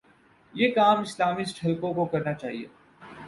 یہ کام اسلامسٹ حلقوں کوکرنا چاہیے۔